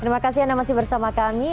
terima kasih anda masih bersama kami